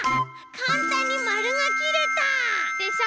かんたんにまるがきれた！でしょ？